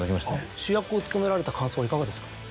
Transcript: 主役を務められた感想はいかがですか？